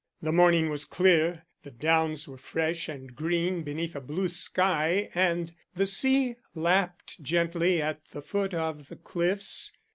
The morning was clear, the downs were fresh and green beneath a blue sky, and the sea lapped gently at the foot of the cliffs.